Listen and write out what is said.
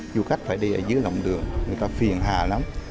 du khách phải đi ở dưới lòng đường người ta phiền hà lắm